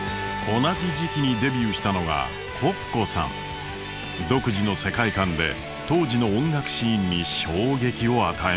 同じ時期にデビューしたのが独自の世界観で当時の音楽シーンに衝撃を与えました。